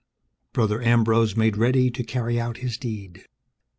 Brother Ambrose made ready to carry out his deed.